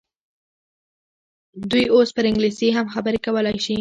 دوی اوس پر انګلیسي هم خبرې کولای شي.